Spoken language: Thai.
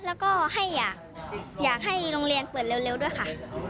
แล้วก็อยากให้โรงเรียนเปิดเร็วด้วยค่ะ